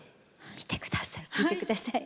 見て下さい。